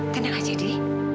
tenang aja di